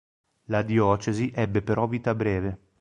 La diocesi ebbe però vita breve.